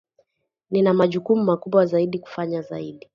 Nina majukumu makubwa zaidi kufanya zaidi